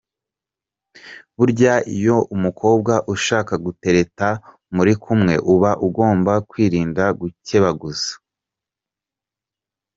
Burya iyo umukobwa ushaka gutereta muri kumwe uba ugomba kwirinda gucyebaguzwa .